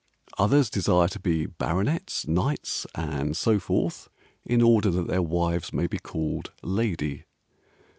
Others desire to be Baronets, Knights, and so forth, In order that their wives may be called "Lady."